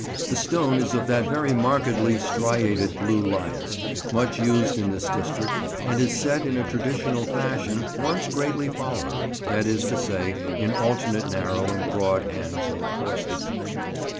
The stone is of that very markedly striated blue lias much used in this district, and is set in a traditional fashion once greatly followed, that is to say, in alternate narrow and broad hands or courses.